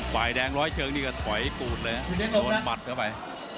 ฝ่ายแดงร้อยเชิงนี่ก็ถอยปูดเลยโดนหมัดเข้าไป